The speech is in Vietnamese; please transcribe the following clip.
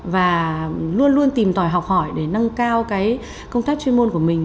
và luôn luôn tìm tòi học hỏi để nâng cao công tác chuyên môn của mình